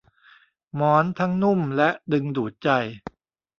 หมอนทั้งนุ่มและดึงดูดใจ